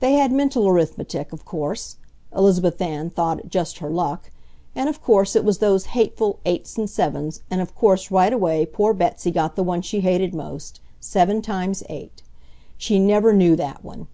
They had mental arithmetic, of course (Elizabeth Ann thought it just her luck!), and of course it was those hateful eights and sevens, and of course right away poor Betsy got the one she hated most, 7x8. She never knew that one!